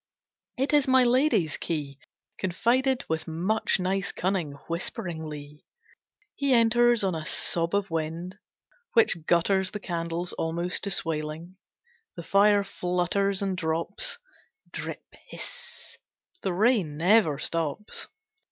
It is my lady's key, confided with much nice cunning, whisperingly. He enters on a sob of wind, which gutters the candles almost to swaling. The fire flutters and drops. Drip hiss the rain never stops.